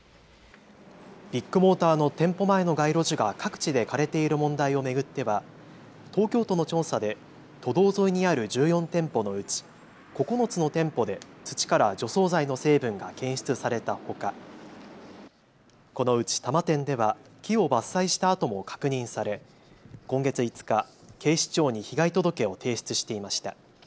ビッグモーターの店舗前の街路樹が各地で枯れている問題を巡っては東京都の調査で都道沿いにある１４店舗のうち９つの店舗で土から除草剤の成分が検出されたほか、このうち多摩店では木を伐採した跡も確認され今月５日、警視庁に被害届を提出していました。